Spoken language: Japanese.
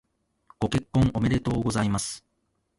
ご結婚おめでとうございます。